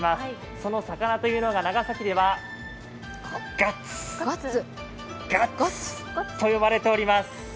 その魚というのが長崎ではガッツと呼ばれています。